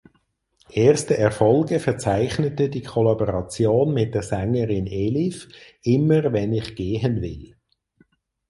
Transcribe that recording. Erste Erfolge verzeichnete die Kollaboration mit der Sängerin Elif "Immer wenn ich gehen will".